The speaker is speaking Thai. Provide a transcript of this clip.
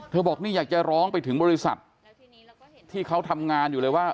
บอกนี่อยากจะร้องไปถึงบริษัทที่เขาทำงานอยู่เลยว่า